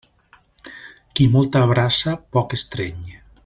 Qui molt abraça, poc estreny.